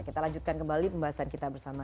kita lanjutkan kembali pembahasan kita bersama